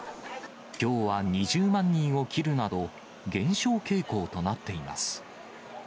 きょうは２０万人を切るなど、減少傾向となっています。